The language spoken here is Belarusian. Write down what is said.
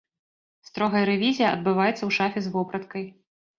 Строгая рэвізія адбываецца ў шафе з вопраткай.